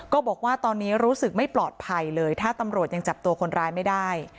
บอกว่าตอนนี้รู้สึกไม่ปลอดภัยเลยถ้าตำรวจยังจับตัวคนร้ายไม่ได้